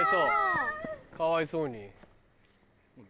かわいそうに。